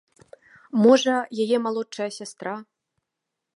Можа, яе малодшая сястра.